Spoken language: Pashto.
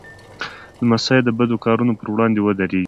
لمسی د بد کارونو پر وړاندې ودریږي.